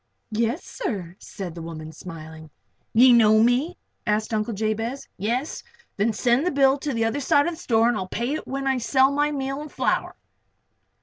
"Yes, sir," said the woman, smiling. "You know me?" asked Uncle Jabez. "Yes? Then send the bill to the other side of the store and I'll pay it when I sell my meal and flour."